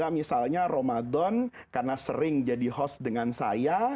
misalnya ramadan karena sering jadi host dengan saya